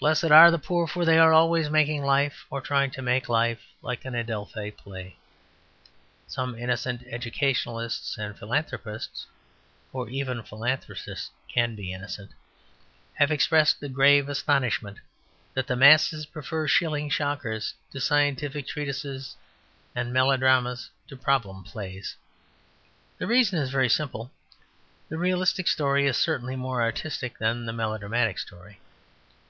Blessed are the poor, for they are always making life, or trying to make life like an Adelphi play. Some innocent educationalists and philanthropists (for even philanthropists can be innocent) have expressed a grave astonishment that the masses prefer shilling shockers to scientific treatises and melodramas to problem plays. The reason is very simple. The realistic story is certainly more artistic than the melodramatic story.